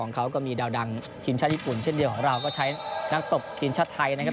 เขาก็มีดาวดังทีมชาติญี่ปุ่นเช่นเดียวของเราก็ใช้นักตบทีมชาติไทยนะครับ